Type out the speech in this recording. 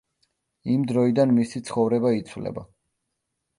იმ დროიდან მისი ცხოვრება იცვლება.